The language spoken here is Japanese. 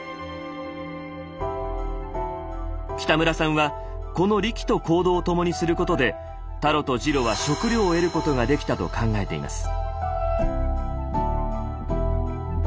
北村さんはこのリキと行動を共にすることでタロとジロは食料を得ることができたと考えています。